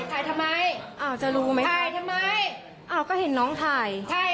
ถ่ายทำไมอ้าวจะรู้ไหมถ่ายทำไมอ้าวก็เห็นน้องถ่ายใช่